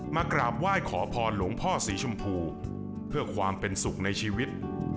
กราบไหว้ขอพรหลวงพ่อสีชมพูเพื่อความเป็นสุขในชีวิต